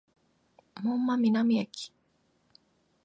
門真南駅